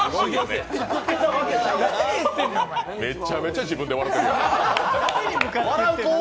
めちゃめちゃ自分で笑ってるやん。